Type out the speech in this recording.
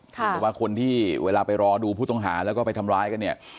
แต่ว่าคนที่เวลาไปรอดูผู้ต้องหาแล้วก็ไปทำร้ายกันเนี่ย